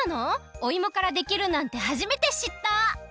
おいもからできるなんてはじめてしった！